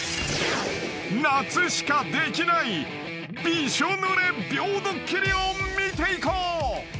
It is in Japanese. ［夏しかできないびしょぬれ秒ドッキリを見ていこう］